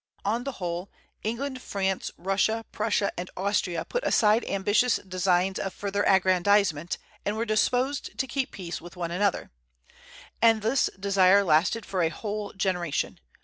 On the whole, England, France, Russia, Prussia, and Austria put aside ambitious designs of further aggrandizement, and were disposed to keep peace with one another; and this desire lasted for a whole generation.